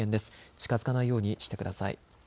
近づかないようにしてください。